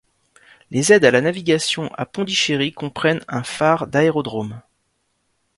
Les aides à la navigation à Pondichéry comprennent un phare d'Aérodrome.